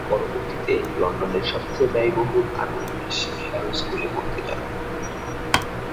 পরবর্তীতে লন্ডনের সবচেয়ে ব্যয়বহুল আর ঐতিহাসিক হ্যারো স্কুলে পড়তে যান।